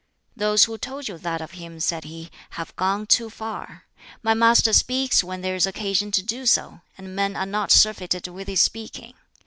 "Those who told you that of him," said he, "have gone too far. My master speaks when there is occasion to do so, and men are not surfeited with his speaking.